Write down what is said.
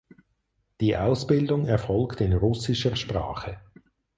Die Ausbildung erfolgt in russischer Sprache.